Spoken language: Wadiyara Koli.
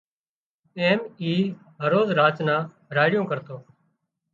ايم اي هروز راچا نان راڙيون ڪرتو